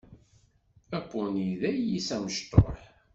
Apuni d ayis amecṭuḥ.